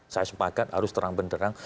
saya sepakat harus terang benderang